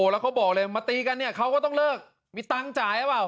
แล้วเขาบอกเลยมาตีกันเนี่ยเขาก็ต้องเลิกมีตังค์จ่ายหรือเปล่า